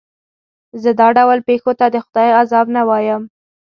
زه دا ډول پېښو ته د خدای عذاب نه وایم.